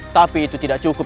tapi itu tidak cukup